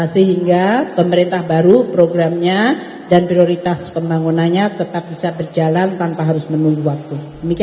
sehingga pemerintah baru programnya dan prioritas pembangunannya tetap bisa berjalan tanpa harus menunggu waktu